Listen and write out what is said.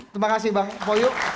terima kasih bang poyo